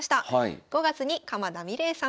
５月に鎌田美礼さん